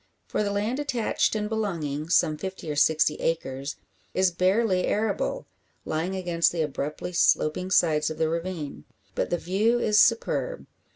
For the land attached and belonging some fifty or sixty acres is barely arable; lying against the abruptly sloping sides of the ravine. But the view is superb.